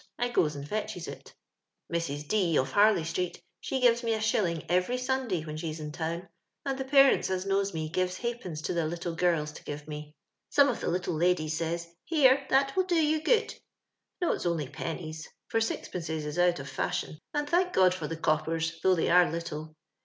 I goes and fetches it. Mrs. D , of Harley street, she gives me a shilling every Sunday when she's in town ; and the parents as knows mo give halfpence to their little girls to give me. Some of the litUe ladies says, * Here, that will do you good.' No, if s only pennies (for sixpences is out of fashion); and tlionk God for the coppers, though they arc little.